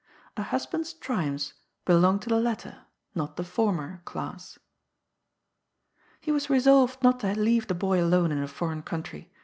A husband's triumphs belong to the latter, not to the former, class. He was resolved not to leave the boy alone in a foreign country.